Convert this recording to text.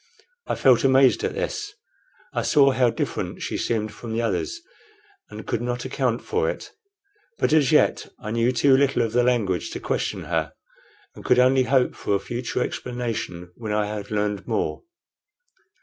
I felt amazed at this; I saw how different she seemed from the others, and could not account for it. But as yet I knew too little of the language to question her, and could only hope for a future explanation when I had learned more.